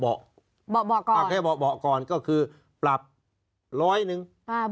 เบาะก่อนก็คือปรับร้อยหนึ่ง